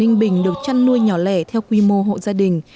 ninh bình được chăn nuôi nhỏ lẻ theo quy mô hộ gia đình